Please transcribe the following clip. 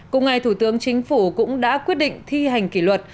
cùng ngày thủ tướng chính phủ cũng đã quyết định thi hành kỷ luật